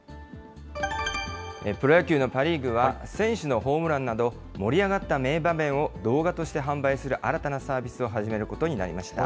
プロ野球のパ・リーグは、選手のホームランなど、盛り上がった名場面を動画として販売する新たなサービスを始めることになりました。